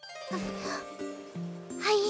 はい。